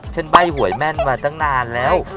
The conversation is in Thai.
ใบ้หวยแม่นมาตั้งนานแล้ว